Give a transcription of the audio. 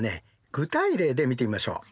具体例で見てみましょう。